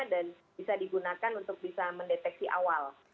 dan bisa digunakan untuk bisa mendeteksi awal